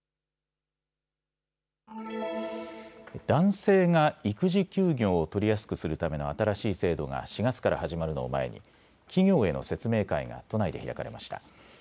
男性が育児休業を取りやすくするための新しい制度が４月から始まるのを前に企業への説明会が都内で開かれました。